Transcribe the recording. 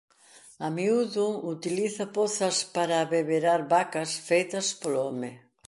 A miúdo utiliza pozas para abeberar vacas feitas polo home.